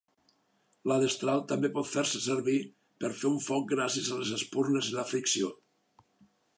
La destral també pot fer-se servir per fer un foc gràcies a les espurnes i la fricció.